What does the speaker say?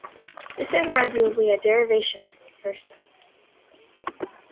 This is arguably a derivation from the first sense.